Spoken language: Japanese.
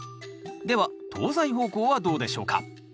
では東西方向はどうでしょうか？